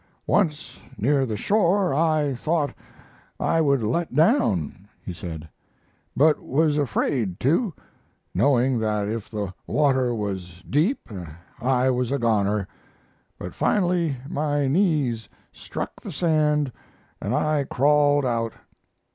"Once, near the shore, I thought I would let down," he said, "but was afraid to, knowing that if the water was deep I was a goner, but finally my knees struck the sand and I crawled out.